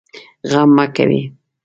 غم مه کوئ